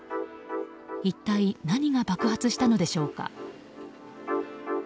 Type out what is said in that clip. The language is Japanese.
一体何が爆発したのでしょうか。